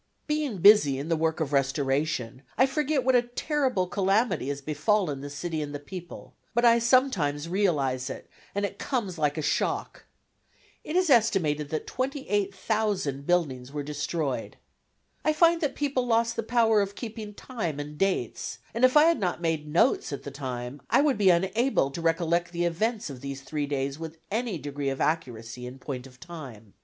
Being busy in the work of restoration, I forget what a terrible calamity has befallen the city and the people, but I sometimes realize it, and it comes like a shock. It is estimated that 28,000 buildings were destroyed. I find that people lost the power of keeping time and dates, and if I had not made notes at the time I would be unable to recollect the events of these three days with any degree of accuracy in point of time.